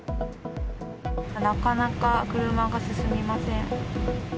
なかなか車が進みません。